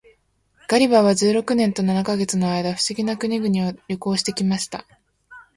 ガリバーは十六年と七ヵ月の間、不思議な国々を旅行して来ました。